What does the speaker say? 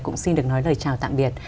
cũng xin được nói lời chào tạm biệt